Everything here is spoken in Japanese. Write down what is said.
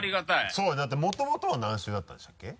そうよだってもともとは何週だったんでしたっけ？